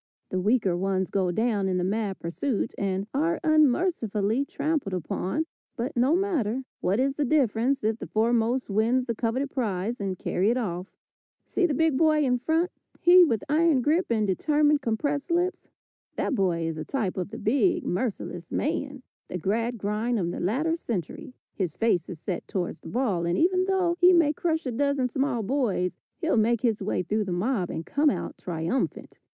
The weaker ones go down in the mad pursuit, and are unmercifully trampled upon, but no matter, what is the difference if the foremost win the coveted prize and carry it off. See the big boy in front, he with iron grip, and determined, compressed lips? That boy is a type of the big, merciless man, the Gradgrind of the latter century. His face is set towards the ball, and even though he may crush a dozen small boys, he'll make his way through the mob and come out triumphant.